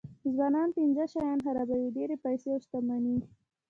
ځوانان پنځه شیان خرابوي ډېرې پیسې او شتمني.